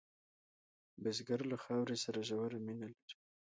بزګر له خاورې سره ژوره مینه لري